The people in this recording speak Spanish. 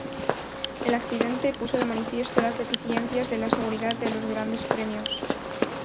El accidente puso de manifiesto las deficiencias de la seguridad de los Grandes Premios.